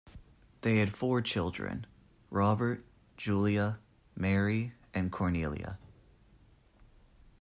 They had four children: Robert, Julia, Mary and Cornelia.